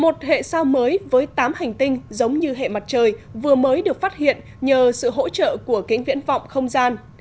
một hệ sao mới với tám hành tinh giống như hệ mặt trời vừa mới được phát hiện nhờ sự hỗ trợ của kính viễn vọng không gian